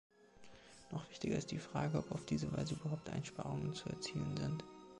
Noch wichtiger ist die Frage, ob auf diese Weise überhaupt Einsparungen zu erzielen sind.